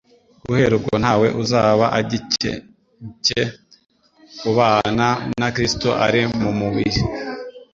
Guhera ubwo ntawe uzaba agikencye kubana na Kristo ari mu mubiri